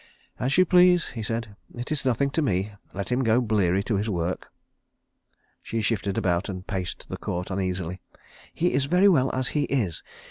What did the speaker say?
"As you please," he said. "It is nothing to me. Let him go bleary to his work." She shifted about and paced the court uneasily. "He is very well as he is.